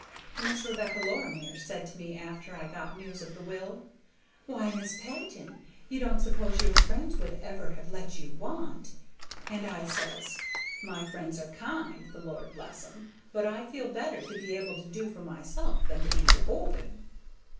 Miss Rebecca Lorimer said to me after I got news of the will, 'Why, Mis' Patton, you don't suppose your friends would ever have let you want!' And I says, 'My friends are kind, the Lord bless 'em! but I feel better to be able to do for myself than to be beholden.'"